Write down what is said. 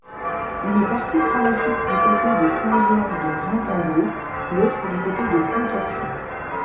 Une partie prend la fuite du côté de Saint-Georges-de-Reintembault, l'autre, du côté de Pontorson.